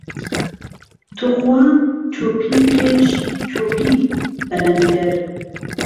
توخوا چۆپیکێش چۆپیت به لهنگهر